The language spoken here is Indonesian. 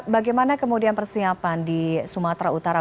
bagaimana kemudian persiapan di sumatera utara